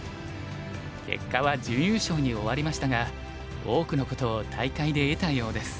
結果は準優勝に終わりましたが多くのことを大会で得たようです。